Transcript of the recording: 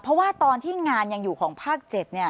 เพราะว่าตอนที่งานยังอยู่ของภาค๗เนี่ย